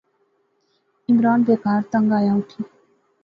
عمران بیکار تنگ آیا اوٹھی